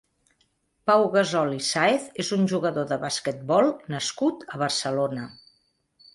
Pau Gasol i Sáez és un jugador de basquetbol nascut a Barcelona.